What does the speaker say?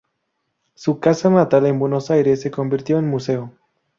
Su casa natal en Buenos Aires se convirtió en museo.